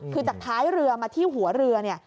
คือจากท้ายเรือมาที่หัวเรือเนี่ย